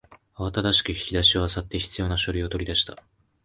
慌ただしく引き出しを漁って必要な書類を取り出した